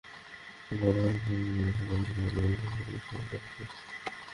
কাস্ত্রোকে হত্যার ষড়যন্ত্র নিয়ে পরবর্তী সময়ে একটি প্রামাণ্যচিত্র তৈরি করে যুক্তরাজ্যভিত্তিক চ্যানেল ফোর।